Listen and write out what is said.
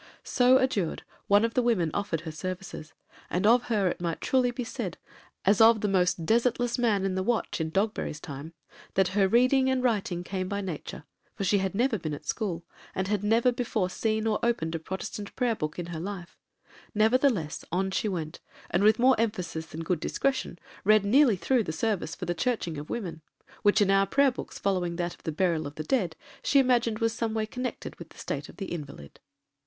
So adjured, one of the women offered her services; and of her it might truly be said, as of the 'most desartless man of the watch' in Dogberry's time, that 'her reading and writing came by nature;' for she never had been at school, and had never before seen or opened a Protestant prayer book in her life; nevertheless, on she went, and with more emphasis than good discretion, read nearly through the service for the 'churching of women;' which in our prayer books following that of the burial of the dead, she perhaps imagined was someway connected with the state of the invalid.